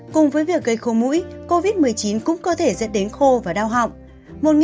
cùng với việc gây khô mũi covid một mươi chín cũng có thể dẫn đến khô và đau họng